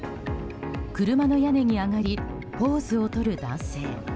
車の屋根に上がりポーズを撮る男性。